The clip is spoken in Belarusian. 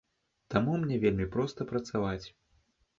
Таму мне вельмі проста працаваць.